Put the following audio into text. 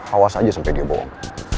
awas aja sampai dia bohong